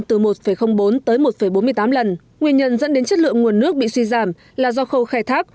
từ một bốn tới một bốn mươi tám lần nguyên nhân dẫn đến chất lượng nguồn nước bị suy giảm là do khâu khai thác